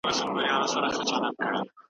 ولي بحران په نړیواله کچه ارزښت لري؟